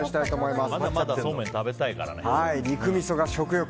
まだまだそうめん食べたいからね。